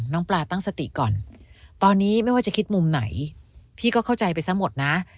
น้องปลาตั้งสติก่อนตอนนี้ไม่ว่าจะคิดมุมไหนพี่ก็เข้าใจไปซะหมดนะ